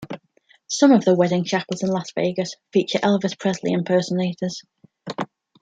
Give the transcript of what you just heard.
Some of the wedding chapels in Las Vegas feature Elvis Presley impersonators.